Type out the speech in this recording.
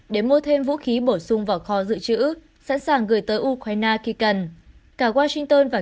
để mua thêm vũ khí bổ sung vào kho dự trữ sẵn sàng gửi tới ukraine khi cần cả washington và